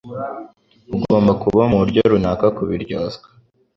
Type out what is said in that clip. Ugomba kuba muburyo runaka kubiryozwa.